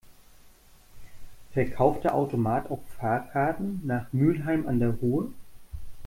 Verkauft der Automat auch Fahrkarten nach Mülheim an der Ruhr?